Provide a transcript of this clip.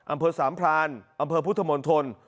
อำเภอสามพรานอำเภอพุทธมนตร